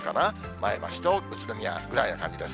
前橋と宇都宮ぐらいな感じです。